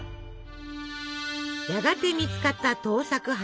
やがて見つかった盗作犯。